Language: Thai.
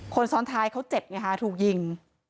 คนซ้อนท้ายเขาเจ็บถูกยิง